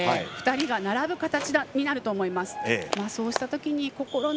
２人が並ぶ形になると思います。